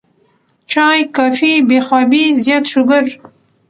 چائے ، کافي ، بې خوابي ، زيات شوګر